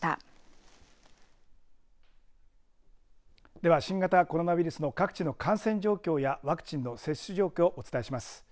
では新型コロナウイルスの各地の感染状況や各地の接種状況をお伝えします。